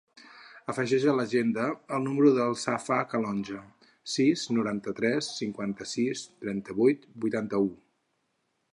Afegeix a l'agenda el número del Safwan Calonge: sis, noranta-tres, cinquanta-sis, trenta-vuit, vuitanta-u.